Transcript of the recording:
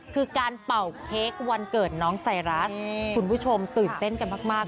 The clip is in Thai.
คือการเป่าเค้กวันเกิดน้องไซรัสคุณผู้ชมตื่นเต้นกันมาก